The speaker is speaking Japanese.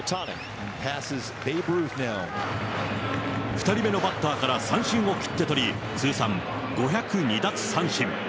２人目のバッターから三振を切って取り、通算５０２奪三振。